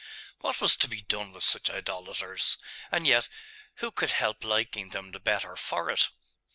What was to be done with such idolaters? And yet who could help liking them the better for it?